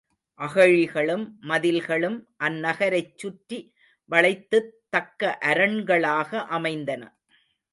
அகழிகளும், மதில்களும் அந்நகரைச் சுற்றி வளைத்துத் தக்க அரண்களாக அமைந்தன.